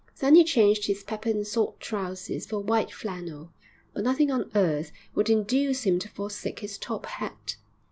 Then he changed his pepper and salt trousers for white flannel, but nothing on earth would induce him to forsake his top hat.